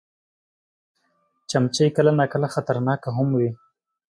مچمچۍ کله کله خطرناکه هم وي